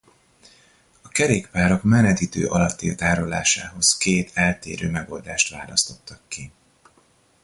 A kerékpárok menetidő alatti tárolásához két eltérő megoldást választottak ki.